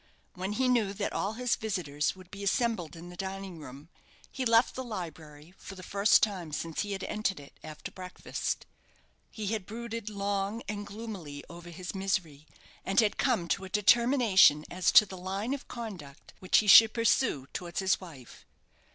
When he knew that all his visitors would be assembled in the dining room, he left the library, for the first time since he had entered it after breakfast. He had brooded long and gloomily over his misery, and had come to a determination as to the line of conduct which he should pursue towards his wife.